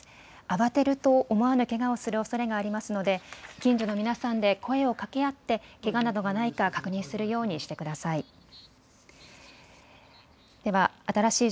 慌てると思わぬけがをするおそれがありますので近所の皆さんで声をかけ合ってけがなどがないか確認するようにしてください。